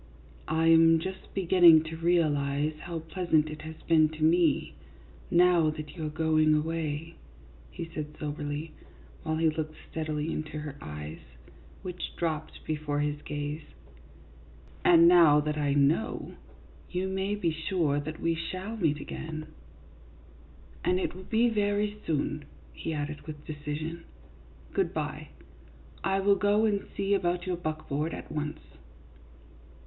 "I am just beginning to realize how pleasant it has been to me, now that you are going away," he said, soberly, while he looked steadily into her eyes, which dropped before his gaze ;" and now that I know, you may be sure that we shall meet again, 56 CLYDE MOORFIELD, YACHTSMAN. and it will be very soon, he added, with decision. "Good by, I will go and see about your buckboard at once."